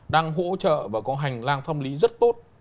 đang hỗ trợ và có hành lang pháp lý rất tốt